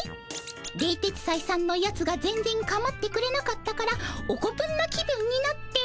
「冷徹斎さんのやつが全然かまってくれなかったからオコプンな気分になって」。